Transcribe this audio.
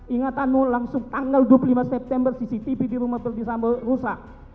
ingatanmu langsung tanggal dua puluh lima september cctv di rumah bu putri sambal rusak